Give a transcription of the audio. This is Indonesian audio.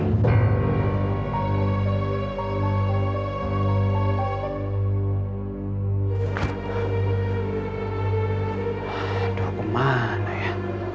aduh kemana ya